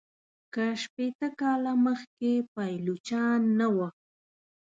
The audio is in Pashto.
که شپیته کاله مخکي پایلوچان نه وه.